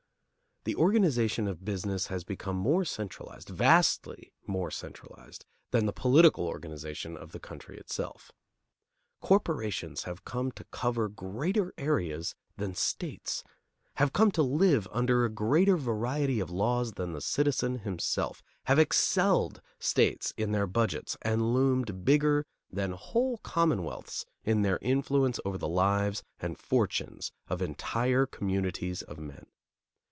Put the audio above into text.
The organization of business has become more centralized, vastly more centralized, than the political organization of the country itself. Corporations have come to cover greater areas than states; have come to live under a greater variety of laws than the citizen himself, have excelled states in their budgets and loomed bigger than whole commonwealths in their influence over the lives and fortunes of entire communities of men.